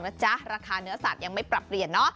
ราคาเนื้อสัตว์ยังไม่ปรับเปลี่ยน